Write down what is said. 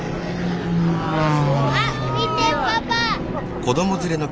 あっ見てパパ！